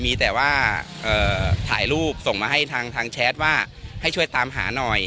มีแต่ว่าถ่ายรูปส่งมาให้ทางแชทว่าให้ช่วยตามหาหน่อย